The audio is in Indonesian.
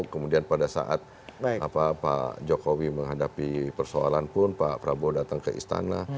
kemudian pada saat pak jokowi menghadapi persoalan pun pak prabowo datang ke istana